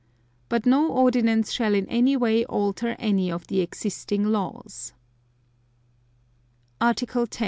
But no Ordinance shall in any way alter any of the existing laws. Article 10.